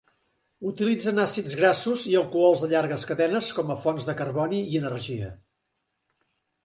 Utilitzen àcids grassos i alcohols de llargues cadenes com a fonts de carboni i energia.